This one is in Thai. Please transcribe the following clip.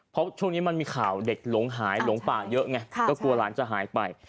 เพราะช่วงนี้มันมีข่าวเด็กหลงหายหลงป่าเยอะไงก็กลัวหลานจะหายไป